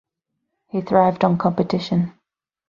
He thrived on competition.